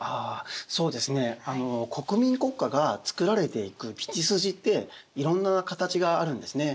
そうですね国民国家が作られていく道筋っていろんな形があるんですね。